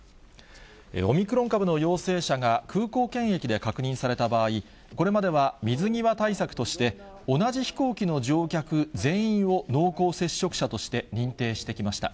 オミクロン株の陽性者が空港検疫で確認された場合、これまでは水際対策として、同じ飛行機の乗客全員を濃厚接触者として認定してきました。